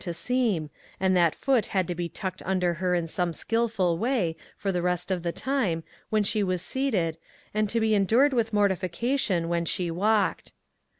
to seam, and that foot had to be tucked under her in some skilful way, for the rest of the time, when she was seated, and to be endured with mortification when she walked.